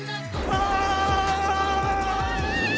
ああ！